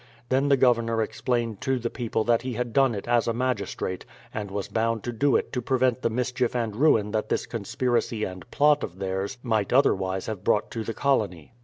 Then the Governor explained to the people that he had done it as a magistrate, and was bound to do it to prevent the mischief and ruin that this con 150 BRADFORD'S HISTORY OP spiracy and plot of theirs might otherwise have brought to the colony.